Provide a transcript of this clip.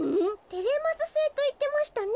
「テレマスセイ」といってましたね。